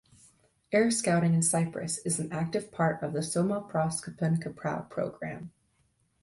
Air Scouting in Cyprus is an active part of the Soma Proskopon Kyprou program.